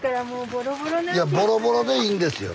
ボロボロでいいんですよ。